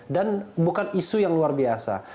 dan bukan isu yang luar biasa